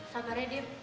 samar ya dip